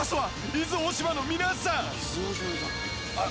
伊豆大島の皆さんあら。